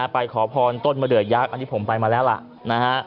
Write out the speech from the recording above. ไปขอพรต้นมะเดือยักษ์อันนี้ผมไปมาแล้วล่ะนะฮะ